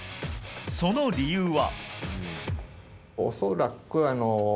その理由は？